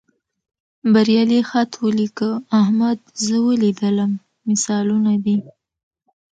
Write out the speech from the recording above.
بریالي خط ولیکه، احمد زه ولیدلم مثالونه دي.